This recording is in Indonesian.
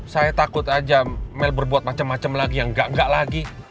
saya takut aja mel berbuat macem macem lagi yang nggak nggak lagi